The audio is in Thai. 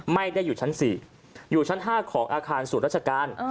ไม่ได้อยู่ชั้น๔อยู่ชั้น๕ของอาคารศูนย์ราชการ